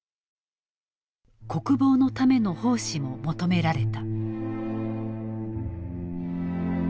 国防のための奉仕も求められた。